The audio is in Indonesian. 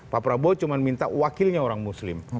pak prabowo cuma minta wakilnya orang muslim